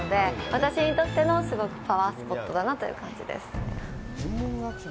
私にとっての、すごくパワースポットだなという感じです。